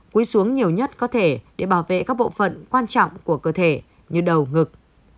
cúi xuống nhiều nhất có thể để bảo vệ các bộ phận quan trọng của cơ thể như đầu ngực